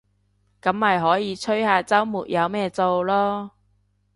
噉咪可以吹下週末有咩做囉